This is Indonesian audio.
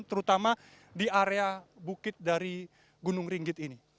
terutama di area bukit dari gunung ringgit ini